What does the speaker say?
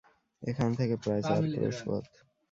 এখান থেকে প্রায় চার-ক্লোশ পথ।